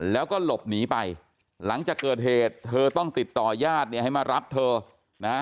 แล้วก็หลบหนีไปหลังจากเกิดเหตุเธอต้องติดต่อญาติเนี่ยให้มารับเธอนะ